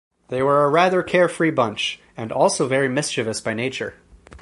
They were a rather carefree bunch, and also very mischievous by nature.